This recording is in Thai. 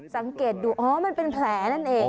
สังเกตดูอ๋อมันเป็นแผลนั่นเอง